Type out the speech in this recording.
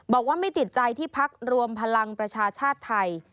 บอกว่าไม่ติดใจที่พักรวมพลังประชาชาติไทย